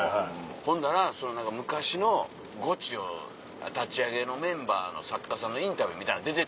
ほんだら昔のゴチを立ち上げのメンバーの作家さんのインタビューみたいなの出てて。